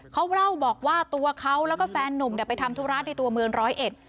เขาเล่าบอกว่าตัวเขาแล้วก็แฟนนุ่มเนี่ยไปทำธุระในตัวเมืองร้อยเอ็ด